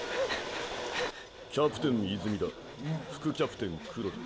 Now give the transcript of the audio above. キャプテン泉田副キャプテン黒田。